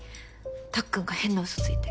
たっくんが変なうそついて。